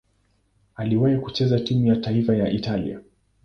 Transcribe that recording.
Aliwahi kucheza timu ya taifa ya Italia.